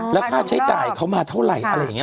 แล้วค่าใช้จ่ายเขามาเท่าไหร่อะไรอย่างนี้